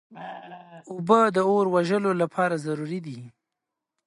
اوبه د اور وژلو لپاره ضروري دي.